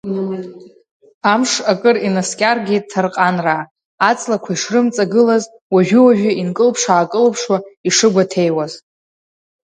Амш акыр инаскьаргеит Ҭарҟанраа, аҵлақәа ишрымҵагылаз, уажәы-уажәы инкылԥш-аакылыԥшуа ишыгәаҭеиуаз.